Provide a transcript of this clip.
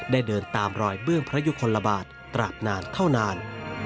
เดินตามรอยเบื้องพระยุคลบาทตราบนานเท่านาน